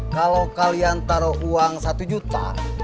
kalau kalian taruh uang satu juta